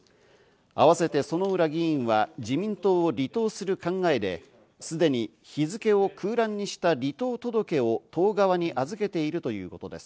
あわせて薗浦議員は自民党を離党する考えで、すでに日付を空欄にした離党届を党側に預けているということです。